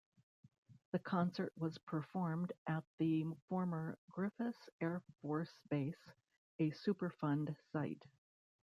The concert was performed at the former Griffiss Air Force Base, a Superfund site.